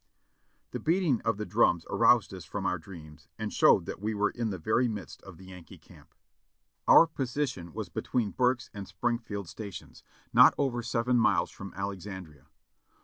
The beating of the drums aroused us from our dreams and showed that we were in the very midst of the Yankee camp. Our position was between Burke's and Springfield Stations, not over seven miles from Alexandria.